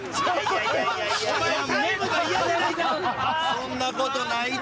そんなことないって。